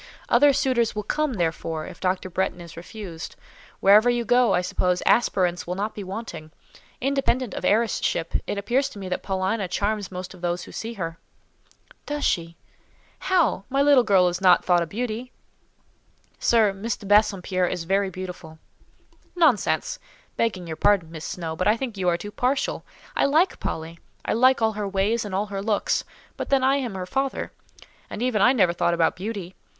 "Other suitors will come, therefore, if Dr. Bretton is refused. Wherever you go, I suppose, aspirants will not be wanting. Independent of heiress ship, it appears to me that Paulina charms most of those who see her." "Does she? How? My little girl is not thought a beauty." "Sir, Miss de Bassompierre is very beautiful." "Nonsense!—begging your pardon, Miss Snowe, but I think you are too partial. I like Polly: I like all her ways and all her looks—but then I am her father; and even I never thought about beauty.